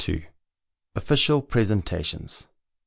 OFFICIAL PRESENTATIONS.